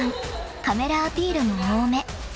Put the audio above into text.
［カメラアピールも多め］